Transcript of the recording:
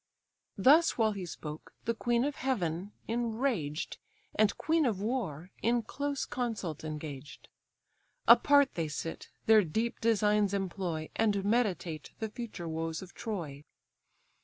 Thus while he spoke, the queen of heaven, enraged, And queen of war, in close consult engaged: Apart they sit, their deep designs employ, And meditate the future woes of Troy.